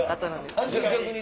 確かに！